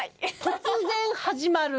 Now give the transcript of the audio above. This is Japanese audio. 突然始まる。